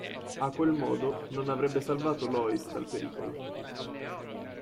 A quel modo, non avrebbe salvato Lois dal pericolo.